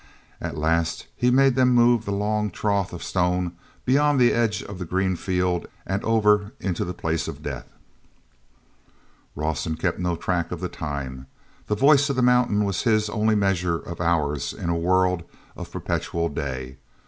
At last he made them move the long trough of stone beyond the edge of the green field and over into the Place of Death. Rawson kept no track of the time. The voice of the mountain was his only measure of hours in a world of perpetual day.